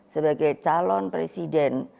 sebagai calon presiden